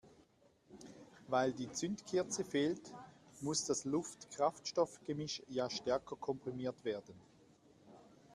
Weil die Zündkerze fehlt, muss das Luft-Kraftstoff-Gemisch ja stärker komprimiert werden.